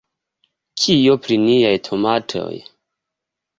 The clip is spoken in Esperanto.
Kio pri niaj tomatoj?